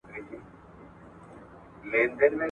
هر فرد بايد خپل مسؤليت وپېژني.